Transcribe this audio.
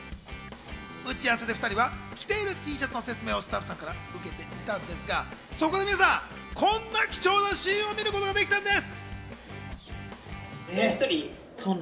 打ち合わせで２人は着ているＴシャツの説明をスタッフさんから受けていたんですが、そこで皆さん、こんな貴重なシーンを見ることができたんです。